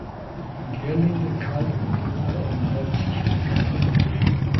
Gerlinde Kaltenbrunner ernährt sich vegan.